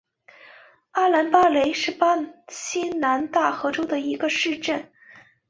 阿兰巴雷是巴西南大河州的一个市镇。